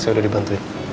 saya udah dibantuin